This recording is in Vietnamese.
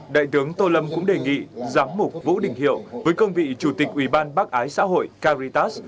đại tướng tô lâm cũng đề nghị giám mục vũ đình hiệu với công vị chủ tịch ubnd bắc ái xã hội caritas